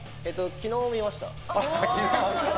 昨日見ました。